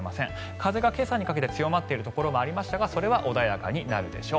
風が今朝にかけて強まっているところがありましたがそれは穏やかになるでしょう。